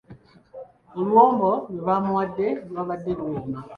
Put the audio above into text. Oluwombo lwe baamuwadde lwabadde luwooma.